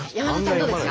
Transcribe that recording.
どうですか？